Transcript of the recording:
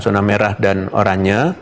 zona merah dan oranye